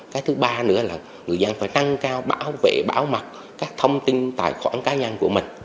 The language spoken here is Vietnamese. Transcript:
cái thứ ba nữa là người dân phải nâng cao bảo vệ bảo mật các thông tin tài khoản cá nhân của mình